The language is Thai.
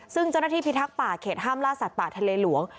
ซึ่งเจ้าหน้าที่พิทักษ์ป่าเขตห้ามล่าสัตว์ป่าทะเลหลวง